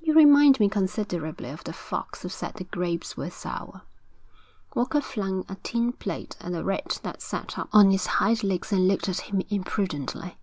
'You remind me considerably of the fox who said the grapes were sour.' Walker flung a tin plate at a rat that sat up on its hind legs and looked at him impudently.